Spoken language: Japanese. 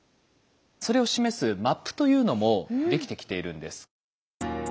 それを示すマップというのも出来てきているんです。